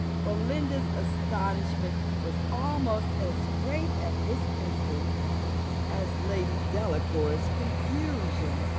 Belinda's astonishment was almost as great at this instant as Lady Delacour's confusion.